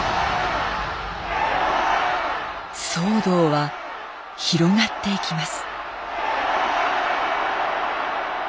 騒動は広がっていきます。